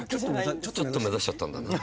ちょっと目指しちゃったんだ。